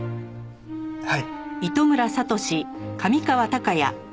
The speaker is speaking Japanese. はい。